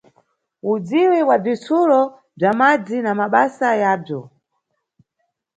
Udziwi bwa bzitsulo bza madzi na mabasa yabzo.